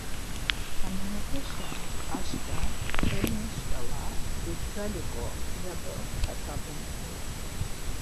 Haminepeşen aşǩva sǩani şǩala vigzaliǩo, yado pxesabum.